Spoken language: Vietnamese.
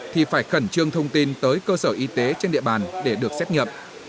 thì phải khẩn trương thông tin tới cơ sở y tế trên địa bàn để được xét nghiệm